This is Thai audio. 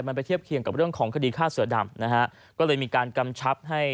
มันไปเทียบเคียงกับเรื่องของคดีฆ่าเสือดำนะฮะก็เลยมีการกำชับให้